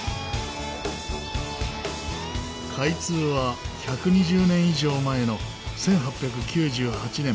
開通は１２０年以上前の１８９８年。